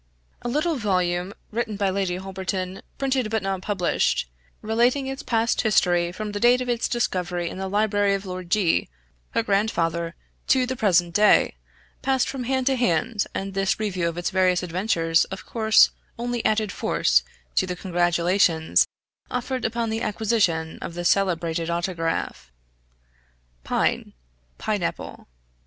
A little volume written by Lady Holberton printed but not published relating its past history from the date of its discovery in the library of Lord G , her grandfather, to the present day, passed from hand to hand, and this review of its various adventures of course only added force to the congratulations offered upon the acquisition of this celebrated autograph. {pine = pineapple.